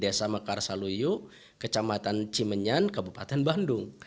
di desa mekarsel di desa saluyo kecamatan cimenyan kebupatan bandung